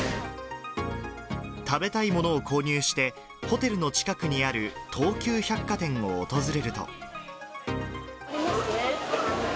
食べたいものを購入して、ホテルの近くにある東急百貨店を訪れると。